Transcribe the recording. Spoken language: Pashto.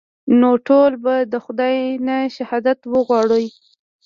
نو ټول به د خداى نه شهادت وغواړئ.